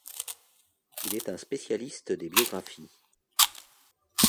Il est un spécialiste des biographies.